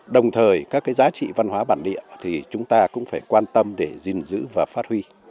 đồng thời các cái giá trị văn hóa bản địa thì chúng ta cũng phải quan tâm để gìn giữ và phát huy